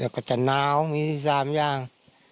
แล้วก็จะน้าวมีที่สามย่าง